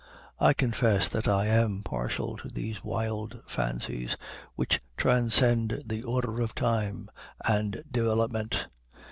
I confess that I am partial to these wild fancies, which transcend the order of time and development.